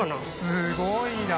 すごいな。